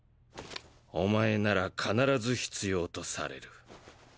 おまえなら必ず必要とされる。